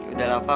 udah lah fah